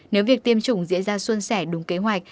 nếu việc tiêm chủng diễn ra xuân sẻ đúng kế hoạch